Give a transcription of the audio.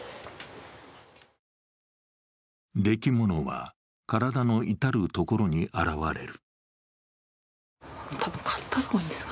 できものは体の至る所に現れる。